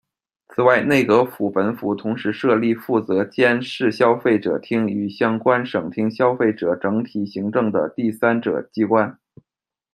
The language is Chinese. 此外，内阁府本府同时设立负责监视消费者厅与相关省厅消费者整体行政的第三者机关。